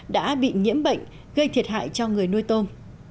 đã bị nhiễm bệnh gây thiệt hại cho người nuôi tôm